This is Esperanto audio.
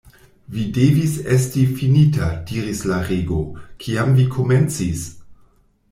"Vi devis esti fininta," diris la Rego, "Kiam vi komencis?"